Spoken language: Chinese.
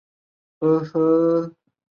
其兄曾经担任伦敦市长。